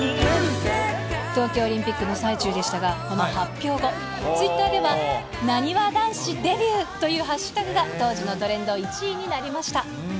東京オリンピックの最中でしたが、この発表後、ツイッターでは、なにわ男子デビューというハッシュタグが当時のトレンド１位になりました。